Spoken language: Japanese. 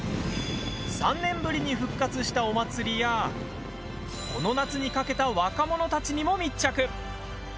３年ぶりに復活したお祭りやこの夏にかけた若者たちにも密着。